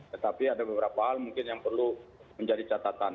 tetapi ada beberapa hal mungkin yang perlu menjadi catatan